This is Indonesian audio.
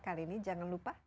kali ini jangan lupa